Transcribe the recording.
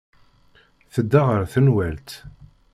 Tedda ɣer tenwalt.